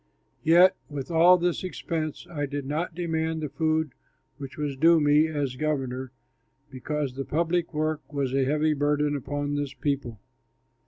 Yet with all this expense, I did not demand the food which was due me as governor, because the public work was a heavy burden upon this people.